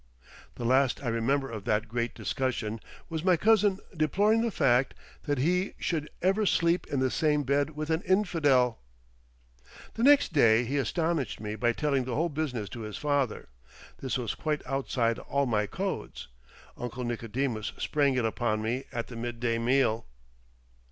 The last I remember of that great discussion was my cousin deploring the fact that he "should ever sleep in the same bed with an Infidel!" The next day he astonished me by telling the whole business to his father. This was quite outside all my codes. Uncle Nicodemus sprang it upon me at the midday meal.